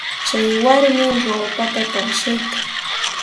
Tsay warmi ruupata taqshaykan.